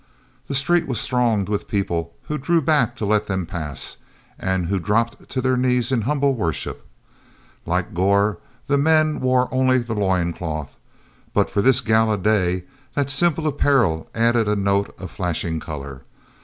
The street was thronged with people who drew back to let them pass, and who dropped to their knees in humble worship. Like Gor, the men wore only the loin cloth, but for this gala day, that simple apparel added a note of flashing color.